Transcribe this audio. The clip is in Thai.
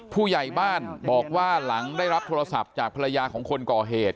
ผู้ใหญ่บ้านบอกว่าหลังได้รับโทรศัพท์จากภรรยาของคนก่อเหตุ